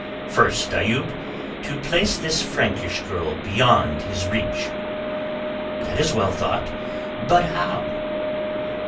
"First, Ayoub, to place this Frankish girl beyond his reach." "That is well thought—but how?"